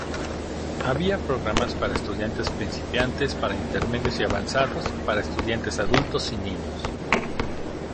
Había programas para estudiantes principiantes, para intermedios y avanzados, para estudiantes adultos y niños.